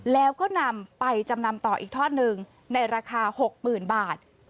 แล้วก็นำไปจำนำต่ออีกทอดหนึ่งในราคา๖๐๐๐บาท